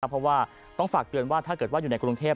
เพราะว่าต้องฝากเตือนว่าถ้าเกิดว่าอยู่ในกรุงเทพ